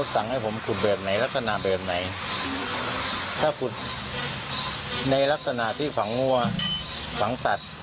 ถ้าคุณในลักษณะที่ฝังงัวฝังสัตว์